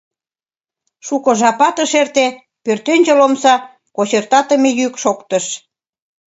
Шуко жапат ыш эрте, пӧртӧнчыл омса кочыртатыме йӱк шоктыш.